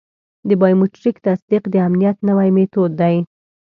د بایومټریک تصدیق د امنیت نوی میتود دی.